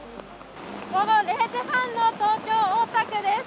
午後０時半の東京・大田区です。